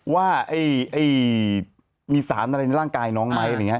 ว่ามีสารอะไรในร่างกายน้องไหม